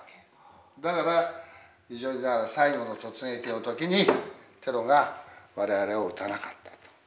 だから非常にだから最後の突撃の時にテロが我々を撃たなかったと。